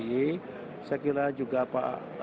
saya kira juga pak